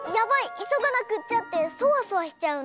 いそがなくっちゃ！」ってそわそわしちゃうんだ。